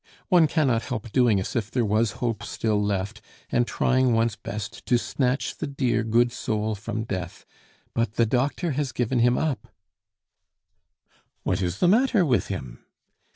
One cannot help doing as if there was hope still left, and trying one's best to snatch the dear, good soul from death. But the doctor has given him up " "What is the matter with him?"